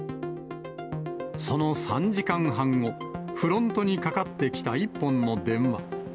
その３時間半後、フロントにかかってきた１本の電話。